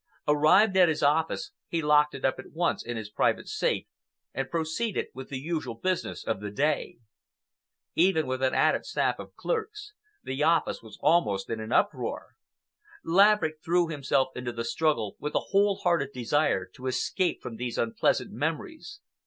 Arrived at his office, he locked it up at once in his private safe and proceeded with the usual business of the day. Even with an added staff of clerks, the office was almost in an uproar. Laverick threw himself into the struggle with a whole hearted desire to escape from these unpleasant memories.